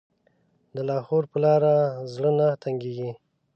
د لاهور په لاره زړه نه تنګېږي.